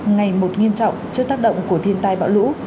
ngày một nghiêm trọng trước tác động của thiên tai bão lũ